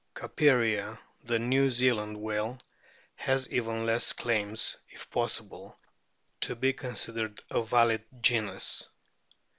Capered, the New Zealand whale, has even less claims if possible to be considered a valid genus.